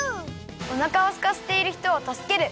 おなかをすかせているひとをたすける！